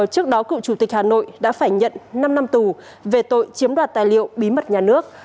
trước đó cựu chủ tịch hà nội đã phải nhận năm năm tù về tội chiếm đoạt tài liệu bí mật nhà nước